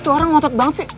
itu orang ngotot banget sih